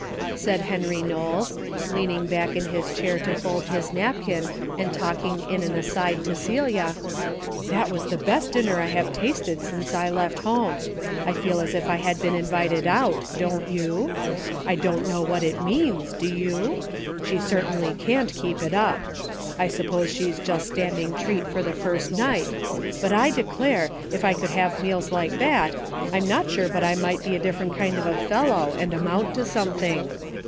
said Harry Knowles, leaning back in his chair to fold his napkin and talking in an aside to Celia, " that was the best dinner I have tasted since I left home. I feel as if I had been invited out, don't you ? I don't know what it means, do you ? She A DAILY RATE,''' 151 certainly can't keep it up. I suppose she's just standing treat for the first night, but I declare, if I could have meals like that, I'm not sure but I might be a different kind of a fellow and amount to something.